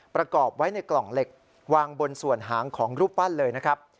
ประกอบไว้ในกล่องเหล็กวางบนส่วนหางของรูปปั้นเลยนะครับ